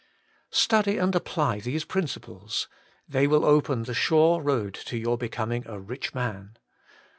Study and apply these principles — they will open the sure road to your becoming a rich man.